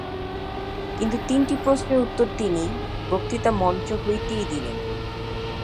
কিন্তু তিনটি প্রশ্নের উত্তর তিনি বক্তৃতামঞ্চ হইতেই দিলেন।